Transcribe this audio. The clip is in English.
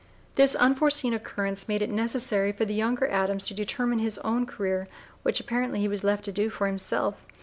This unforeseen occurrence made it necessary for the younger Adams to determine his own career, which apparently he was left to do for himself.